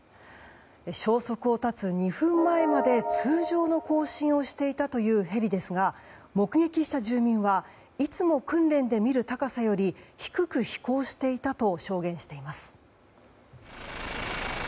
消息を絶つ２分前まで通常の交信をしていたというヘリですが目撃した住民はいつも訓練で見る高さより低く飛行していたと証言しています。